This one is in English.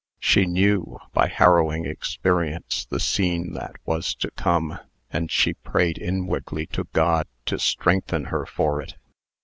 She knew, by harrowing experience, the scene that was to come, and she prayed inwardly to God to strengthen her for it.